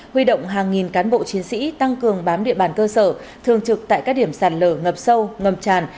huy động hàng nghìn cán bộ chiến sĩ tăng cường bám địa bàn cơ sở thường trực tại các điểm sạt lở ngập sâu ngập tràn